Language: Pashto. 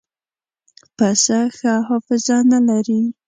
پسه ښه حافظه نه لري.